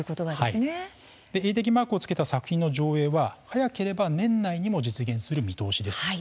映適マークをつけた作品の上映は早ければ年内にも実現する見通しです。